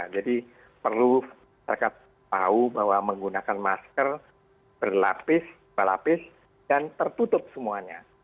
jadi perlu masyarakat tahu bahwa menggunakan masker berlapis belapis dan tertutup semuanya